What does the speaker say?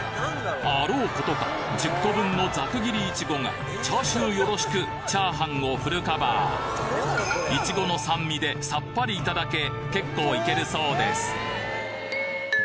あろうことか１０個分のざく切りいちごがチャーシューよろしくチャーハンをフルカバーいちごの酸味でさっぱりいただけ結構いけるそうです